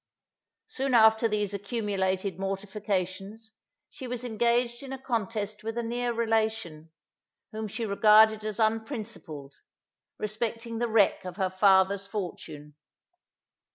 Soon after these accumulated mortifications, she was engaged in a contest with a near relation, whom she regarded as unprincipled, respecting the wreck of her father's fortune.